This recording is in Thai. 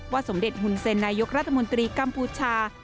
สมเด็จหุ่นเซ็นนายกรัฐมนตรีกัมพูชา